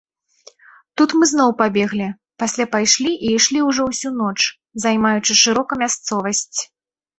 Тут мы зноў пабеглі, пасля пайшлі і ішлі ўжо ўсю ноч, займаючы шырока мясцовасць.